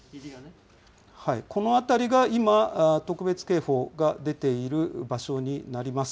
この辺りが今、特別警報が出ている場所になります。